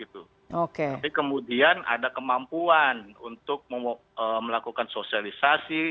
tapi kemudian ada kemampuan untuk melakukan sosialisasi